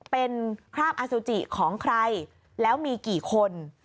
เป็นคราบอสุจิของใครแล้วมีกี่คน